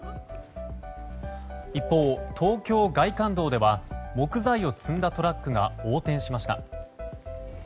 一方、東京外環道では木材を積んだトラックが横転しました。